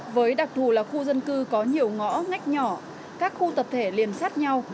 với đặc thù là khu dân cư có nhiều ngõ ngách nhỏ các khu tập thể liền sát nhau